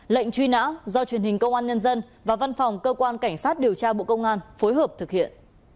lệnh truy nã do truyền hình công an nhân dân và văn phòng cơ quan cảnh sát điều tra bộ công an phối hợp thực hiện